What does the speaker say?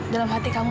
dalam hati kamu